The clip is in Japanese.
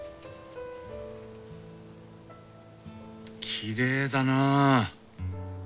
きれいだなぁ。